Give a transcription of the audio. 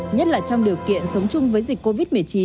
nhất là trong điều kiện sống chung với dịch covid một mươi chín